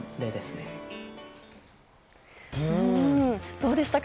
どうでしたか？